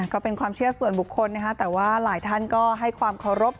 ก็เป็นความเชื่อส่วนบุคคลนะคะแต่ว่าหลายท่านก็ให้ความเคารพ